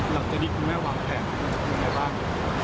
หลังจากนี้คุณแม่วางแผนยังไงบ้าง